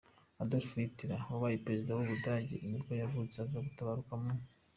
Adolf Hitler, wabaye perezida w’ubudage nibwo yavutse, aza gutabaruka mu .